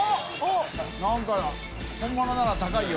叩燭本物なら高いよ。